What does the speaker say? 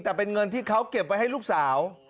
แต่เป็นเงินที่เขาเก็บไว้ให้ลูกสาว